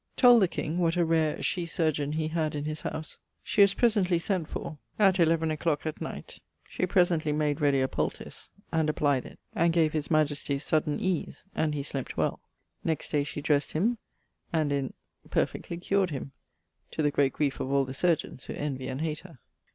... told the king what a rare shee surgeon he had in his house; she was presently sent for at eleven clock at night. She presently made ready a pultisse, and applyed it, and gave his majestie sudden ease, and he slept well; next day she dressed him, and in ... perfectly cured him, to the great griefe of all the surgeons, who envy and hate her.